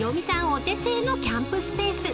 お手製のキャンプスペース］